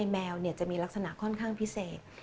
แมวจะมีลักษณะค่อนข้างพิเศษ